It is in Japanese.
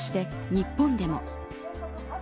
そして日本でも。